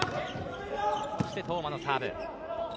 そして當麻のサーブ。